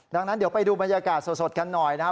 ดังนั้นเดี๋ยวไปดูบรรยากาศสดกันหน่อยนะครับ